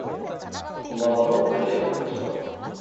こんばんはと思いきやこんにちは